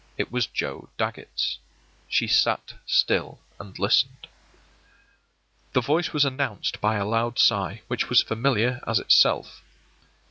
It was Joe Dagget's. She sat still and listened. The voice was announced by a loud sigh, which was as familiar as itself.